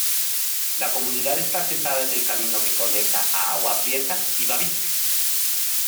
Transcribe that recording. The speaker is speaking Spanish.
La localidad está asentada en el camino que conecta a Agua Prieta y Bavispe.